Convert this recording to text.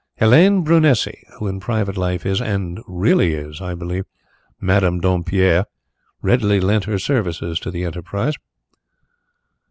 Helene Brunesi, who in private life is and really is, I believe Madame Dompierre, readily lent her services to the enterprise."